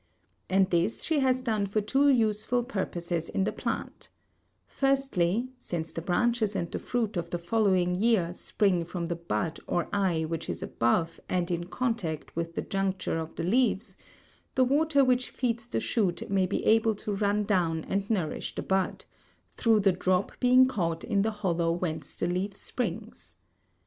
And this she has done for two useful purposes in the plant: firstly, since the branches and the fruit of the following year spring from the bud or eye which is above and in contact with the juncture of the leaves, the water which feeds the shoot may be able to run down and nourish the bud, through the drop being caught in the hollow whence the leaf springs.